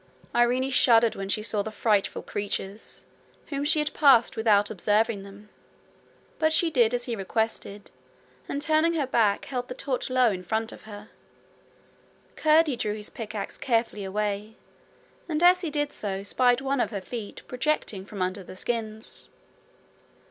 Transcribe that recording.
Irene shuddered when she saw the frightful creatures, whom she had passed without observing them, but she did as he requested, and turning her back, held the torch low in front of her. Curdie drew his pickaxe carefully away, and as he did so spied one of her feet, projecting from under the skins.